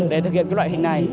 để thực hiện loại hình này